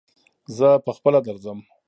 زه په خپله درځم